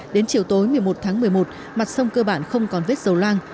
đến chiều tối một mươi một tháng một mươi một mặt sông cơ bản không còn vết dầu loang